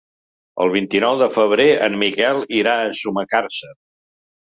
El vint-i-nou de febrer en Miquel irà a Sumacàrcer.